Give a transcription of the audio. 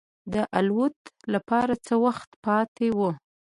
د الوت لپاره څه وخت پاتې و.